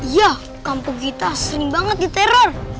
ya kampung kita sering banget diteror